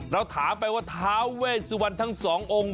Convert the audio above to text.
เราถามไปว่าท้าเวสวันทั้งสององค์